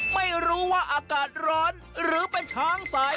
ไม่รู้ว่าอากาศร้อนหรือเป็นช้างสาย